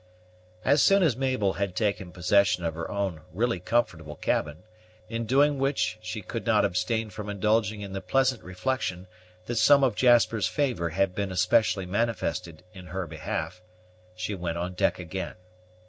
As soon as Mabel had taken possession of her own really comfortable cabin, in doing which she could not abstain from indulging in the pleasant reflection that some of Jasper's favor had been especially manifested in her behalf, she went on deck again.